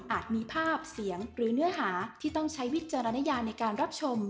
มีภาพเสียงหรือเนื้อหาที่ต้องใช้วิจารณญาในการรับชม